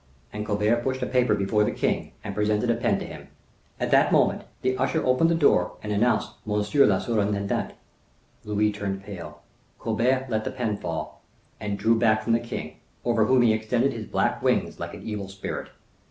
And Colbert pushed a paper before the king, and presented a pen to him. At that moment the usher opened the door and announced monsieur le surintendant. Louis turned pale. Colbert let the pen fall, and drew back from the king, over whom he extended his black wings like an evil spirit.